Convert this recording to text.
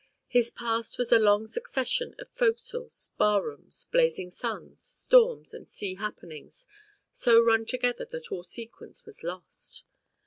His past was a long succession of fo'c'sles, bar rooms, blazing suns, storms and sea happenings so run together that all sequence was lost.